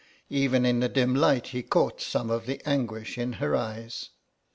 Even in the dim light he caught some of the anguish in her eyes.